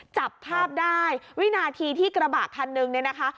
จับภาพได้วินาทีที่กระบะคันนึงเนี่ยนะคะ